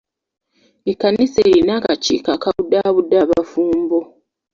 Ekkanisa erina akakiiko akabudaabuda abafumbo.